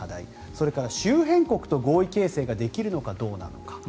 それから周辺国と合意形成ができるのかどうなのか。